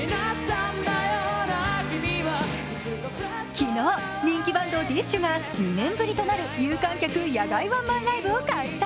昨日、人気バンドＤＩＳＨ／／が２年ぶりとなる有観客ワンマンライブを開催。